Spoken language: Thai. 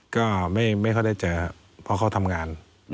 ก็ไม่ค่อยได้เจอเพราะเขาทำงาน